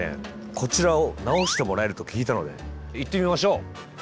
こちらを直してもらえると聞いたので行ってみましょう！